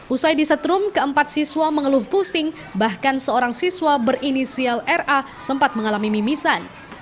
usai disetrum keempat siswa mengeluh pusing bahkan seorang siswa berinisial ra sempat mengalami mimisan